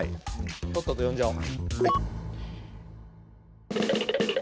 とっとと呼んじゃおう。